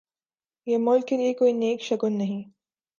یہ ملک کے لئے کوئی نیک شگون نہیں۔